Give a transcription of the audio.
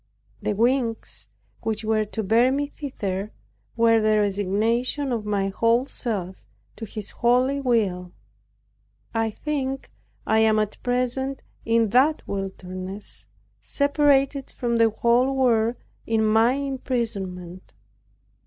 The wings, which were to bear me thither, were the resignation of my whole self to His holy will. I think I am at present in that wilderness, separated from the whole world in my imprisonment.